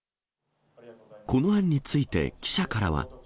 この案について記者からは。